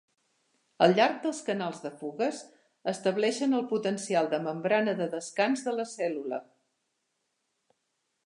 Al llarg dels canals de "fugues", estableixen el potencial de membrana de descans de la cèl·lula.